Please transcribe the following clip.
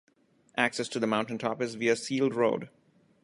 Access to the mountain top is via sealed road.